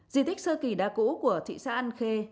di tích sơ kỳ đa cũ của thị xã an khê